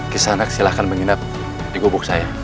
kisanak silahkan menginap di gubuk saya